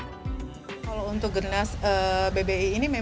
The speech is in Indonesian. kalau untuk gernas bbi ini